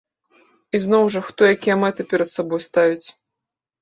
І зноў жа, хто якія мэты перад сабой ставіць.